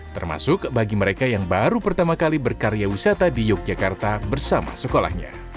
termasuk bagi mereka yang baru pertama kali berkarya wisata di yogyakarta bersama sekolahnya